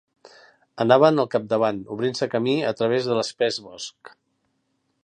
Anaven al capdavant, obrint-se camí a travès de l'espès bosc.